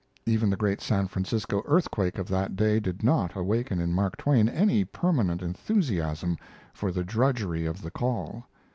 Even the great San Francisco earthquake of that day did not awaken in Mark Twain any permanent enthusiasm for the drudgery of the 'Call'.